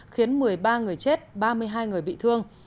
khiến một mươi ba người chết ba mươi hai người bị thương